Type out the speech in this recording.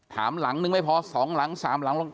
ถามหลังหนึ่งไม่พอสองหลังสามหลังลง